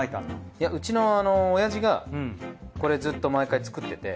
いやうちの親父がこれずっと毎回作ってて。